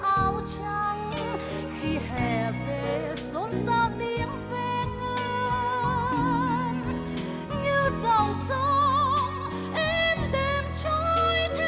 đón thu về bấm khoan ta áo trăng khi hẻ về xôn xa niềm vẻ ngơ